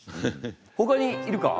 ほかにいるか？